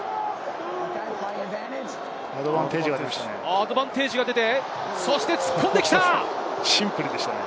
アドバンテージが出ましたね。